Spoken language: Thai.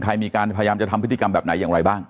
มีการพยายามจะทำพฤติกรรมแบบไหนอย่างไรบ้าง